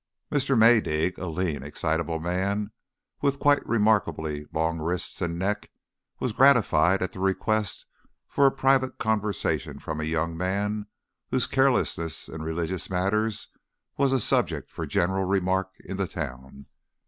Mr. Maydig, a lean, excitable man with quite remarkably long wrists and neck, was gratified at a request for a private conversation from a young man whose carelessness in religious matters was a subject for general remark in the town.